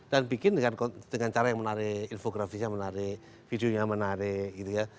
dan bikin dengan cara yang menarik infografisnya menarik videonya menarik gitu ya